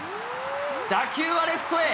打球はレフトへ。